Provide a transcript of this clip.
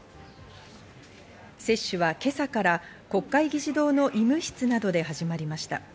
接種は今朝から国会議事堂の医務室などで始まりました。